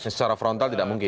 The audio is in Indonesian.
secara frontal tidak mungkin